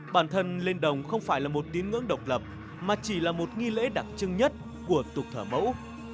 bản thân lên đồng không phải là một tín ngưỡng độc lập mà chỉ là một nghi lễ đặc trưng nhất của tục thờ mẫu